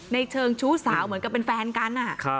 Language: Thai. เชิงชู้สาวเหมือนกับเป็นแฟนกัน